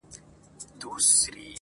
هغه ځان ته نوی ژوند لټوي,